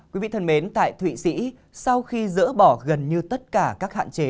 quý vị thân mến tại thụy sĩ sau khi dỡ bỏ gần như tất cả các hạn chế